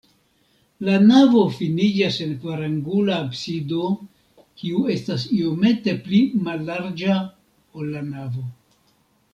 La navo finiĝas en kvarangula absido, kiu estas iomete pli mallarĝa, ol la navo.